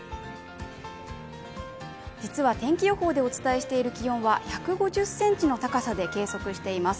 実は天気予報でお伝えしている気温は１５０ｃｍの高さで観測しています